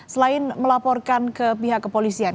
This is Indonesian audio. selain melaporkan ke pihak kepolisian